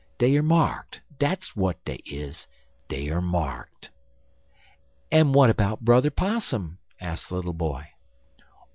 Dey er marked dat's w'at dey is dey er marked." "And what about Brother Possum?" asked the little boy.